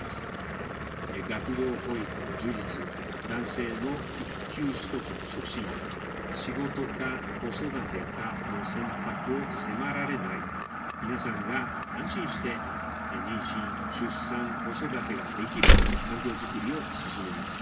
学童保育の充実、男性の育休取得の促進、「仕事か子育てか」の選択を迫られない、皆さんが安心して妊娠、出産、子育てができる環境づくりを進めます。